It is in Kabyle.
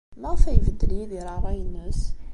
Maɣef ay ibeddel Yidir ṛṛay-nnes?